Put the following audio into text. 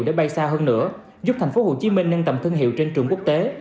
để bay xa hơn nữa giúp tp hcm nâng tầm thương hiệu trên trường quốc tế